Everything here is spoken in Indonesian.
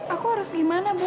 aku harus gimana bu